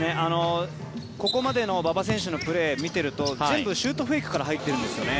ここまでの馬場選手のプレーを見ていると全部、シュートフェイクから入ってるんですよね。